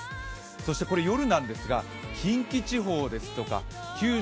そして夜なんですが、近畿地方ですとか九州